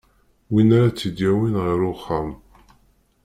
Win ara t-id-yawin ɣer uxxam.